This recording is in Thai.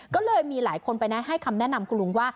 ก็เลยมีหลายคนไปแนะให้คำแนะนำคุณลุงว่า